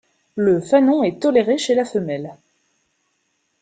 Le fanon est toléré chez la femelle.